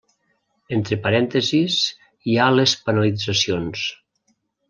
Entre parèntesis hi ha les penalitzacions.